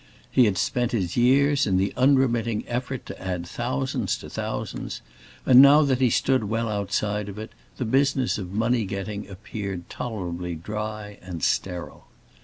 He had spent his years in the unremitting effort to add thousands to thousands, and, now that he stood well outside of it, the business of money getting appeared tolerably dry and sterile.